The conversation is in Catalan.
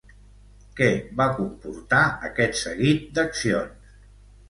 Què va comportar aquest seguit d'accions?